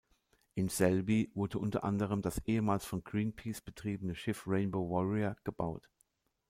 In Selby wurde unter anderem das ehemals von Greenpeace betriebene Schiff "Rainbow Warrior" gebaut.